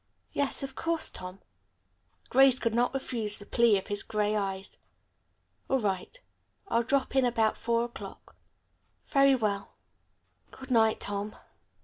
"Yes, of course, Tom." Grace could not refuse the plea of his gray eyes. "All right. I'll drop in about four o'clock." "Very well. Good night, Tom."